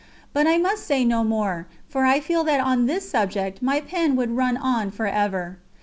But I must say no more, for I feel that on this subject my pen would run on for ever.